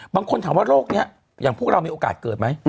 บางคนถามว่าโรคนี้อย่างพวกเรามีโอกาสเกิดไหม